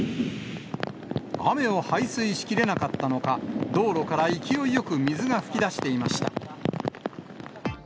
雨を排水しきれなかったのか、道路から勢いよく水が噴き出していました。